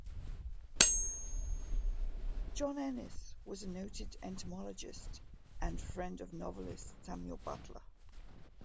John Enys was a noted entomologist, and friend of novelist Samuel Butler.